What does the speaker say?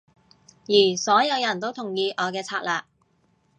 而所有人都同意我嘅策略